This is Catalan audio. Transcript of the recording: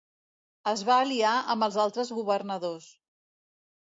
Es va aliar amb els altres governadors.